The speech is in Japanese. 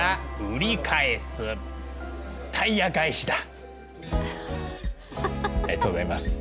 ありがとうございます。